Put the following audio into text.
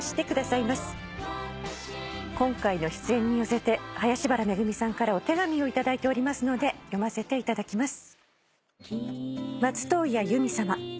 今回の出演に寄せて林原めぐみさんからお手紙を頂いておりますので読ませていただきます。